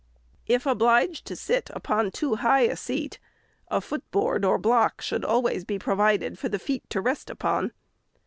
If obliged to sit upon too high a seat, a foot board or block should always be provided for the feet to rest upon.